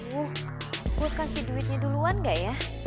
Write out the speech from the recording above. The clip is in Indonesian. wuh gue kasih duitnya duluan gak ya